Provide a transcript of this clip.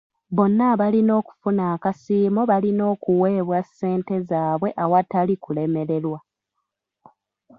Bonna abalina okufuna akasiimo balina okuweebwa ssente zaabwe awatali kulemererwa